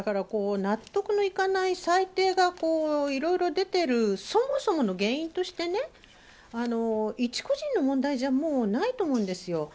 納得のいかない裁定がいろいろ出ているそもそもの原因として一個人の問題じゃもうないと思うんですよ。